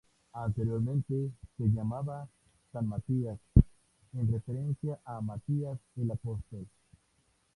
Anteriormente se llamaba San Matías, en referencia a Matías el Apóstol.